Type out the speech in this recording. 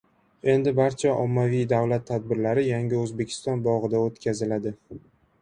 Endi barcha ommaviy davlat tadbirlari "Yangi O‘zbekiston" bog‘ida o‘tkaziladi